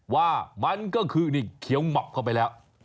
ว่ามันก็คือนี่เขียวหมับเข้าไปแล้ว